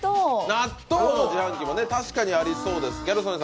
納豆の自販機、確かにありそうです。